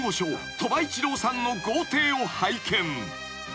鳥羽一郎さんの豪邸を拝見］